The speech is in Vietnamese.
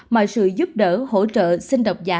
mọi sự giúp đỡ hỗ trợ xin độc giả